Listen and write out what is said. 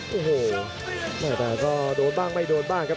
โอ้โหแม่แต่ก็โดนบ้างไม่โดนบ้างครับ